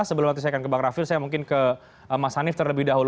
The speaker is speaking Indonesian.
sebelum nanti saya akan ke bang rafil saya mungkin ke mas hanif terlebih dahulu